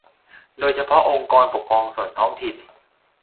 โดยเฉพาะองค์กรปกครองส่วนท้องถิ่น